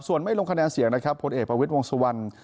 ส่วนไม่ลงคะแนนเสียงนะครับผลเอกประวิทย์วงสุวรรณ